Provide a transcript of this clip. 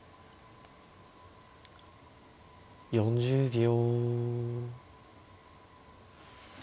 ４０秒。